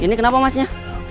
ini kenapa masnya